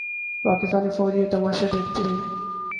پاکستانی فوج یہ تماشا دیکھتی رہی۔